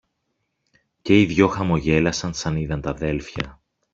Και οι δυο χαμογέλασαν σαν είδαν τ' αδέλφια.